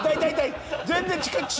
全然。